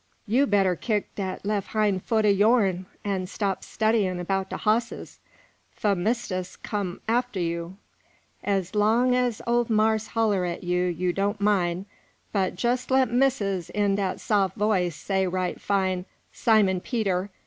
"You better kick dat lef' hine foot o' yourn, an' stop studyin' 'bout de hosses, fo' mistis come arter you! Ez long ez ole marse holler at you, you doan' min'; but jes' let mistis in dat sof' voice say right fine, 'Simon Peter!'